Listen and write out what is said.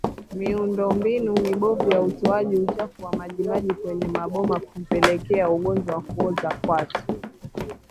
Miundombinu mibovu ya utoaji uchafu wa majimaji kwenye maboma hupelekea ugonjwa wa kuoza kwato